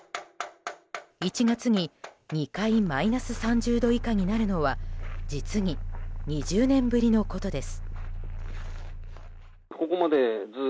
１月に２回マイナス３０度以下になるのは実に２０年ぶりのことです。